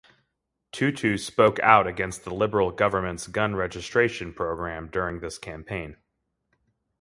Tootoo spoke out against the Liberal government's gun registration program during this campaign.